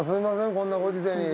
こんなご時世に。